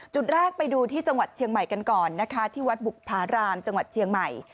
จุดแรกไปดูที่จังหวัดเชียงใหม่กันก่อนนะคะที่วัดบุภารามจังหวัดเชียงใหม่